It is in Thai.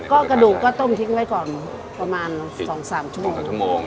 ก็กระดูกก็ต้มทิ้งไว้ก่อนประมาณ๒๓ชั่วโมง